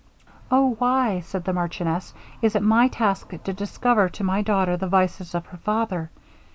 'Oh! why,' said the marchioness, 'is it my task to discover to my daughter the vices of her father?